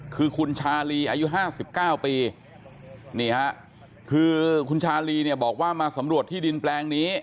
คือคุณชาลีอายุ๕๙ปีนี่ฮะคือคุณชาลีเนี่ยบอกว่ามาสำรวจที่ดินแปลงนี้